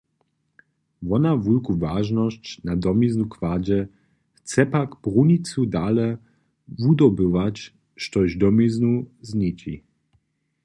Wona wulku wažnosć na domiznu kładźe, chce pak brunicu dale wudobywać, štož domiznu niči.